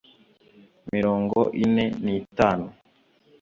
Mirongo ine n itanu